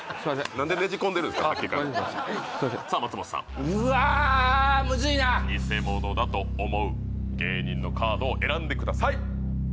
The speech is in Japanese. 何でねじ込んでるんすか大丈夫ですかすいませんさあ松本さんうわムズいなニセモノだと思う芸人のカードを選んでください